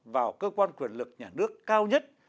vào cơ quan quyền lực nhà nước cao nhất